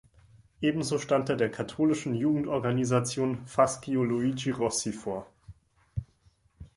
Ebenso stand er der katholischen Jugendorganisation "Fascio Luigi Rossi" vor.